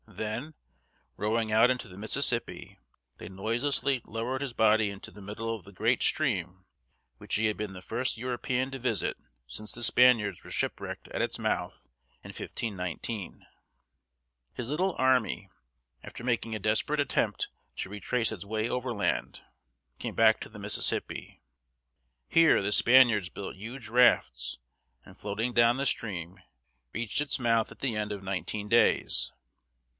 Then, rowing out into the Mississippi, they noiselessly lowered his body into the middle of the great stream which he had been the first European to visit since the Spaniards were shipwrecked at its mouth in 1519. His little army, after making a desperate attempt to retrace its way overland, came back to the Mississippi. Here the Spaniards built huge rafts, and, floating down the stream, reached its mouth at the end of nineteen days.